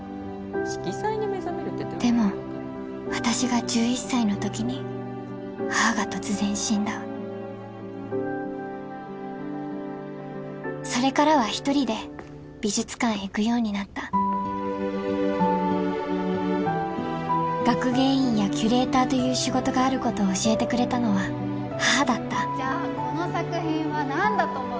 色彩に目覚めるってでも私が１１歳の時に母が突然死んだそれからは１人で美術館へ行くようになった学芸員やキュレーターという仕事があることを教えてくれたのは母だったじゃあこの作品は何だと思う？